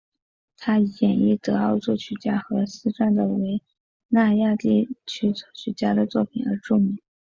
他以演绎德奥作曲家和斯堪的纳维亚地区作曲家的作品而著名。